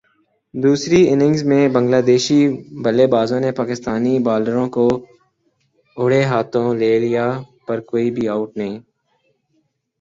دوسری اننگز میں بنگلہ دیشی بلے بازوں نے پاکستانی بالروں کو اڑھے ہاتھوں لے لیا پر کوئی بھی اوٹ نہیں